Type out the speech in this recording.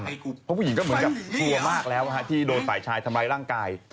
เพราะผู้หญิงก็เหมือนกับกลัวมากแล้วที่โดนฝ่ายชายทำร้ายร่างกาย